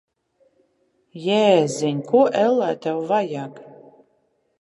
Jēziņ! Ko, ellē, tev vajag?